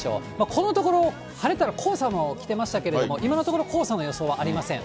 このところ晴れたら黄砂も来てましたけども、今のところ、黄砂の予想はありません。